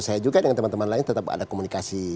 saya juga dengan teman teman lain tetap ada komunikasi